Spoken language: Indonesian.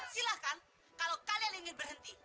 silahkan kalau kalian ingin berhenti